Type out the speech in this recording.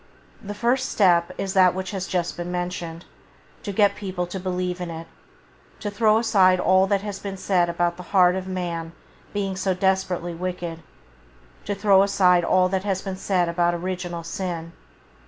The first step is that which has just been mentioned, to get people to believe in it, to throw aside all that has been said about the heart of man being desperately wicked; to throw aside all that is said about original sin.